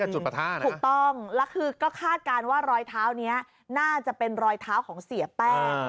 ถูกต้องแล้วคือก็คาดการณ์ว่ารอยเท้านี้น่าจะเป็นรอยเท้าของเสียแป้ง